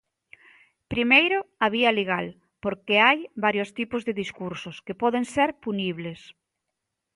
Primeiro, a vía legal, porque hai varios tipos de discursos que poden ser punibles.